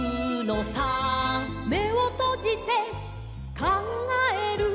「めをとじてかんがえる」